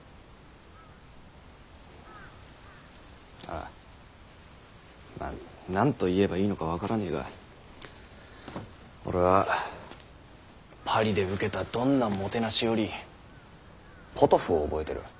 あまぁ何と言えばいいのか分からねぇが俺はパリで受けたどんなもてなしよりポトフを覚えてる。